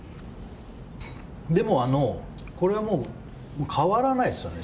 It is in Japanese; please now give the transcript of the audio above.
でもこれは変わらないですよね。